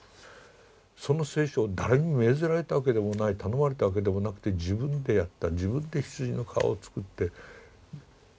その聖書を誰に命ぜられたわけでもない頼まれたわけでもなくて自分でやった自分で羊の皮を作って残していった。